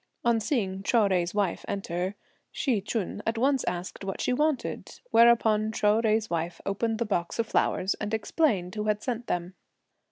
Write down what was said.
On seeing Chou Jui's wife enter, Hsi Ch'un at once asked what she wanted, whereupon Chou Jui's wife opened the box of flowers, and explained who had sent them.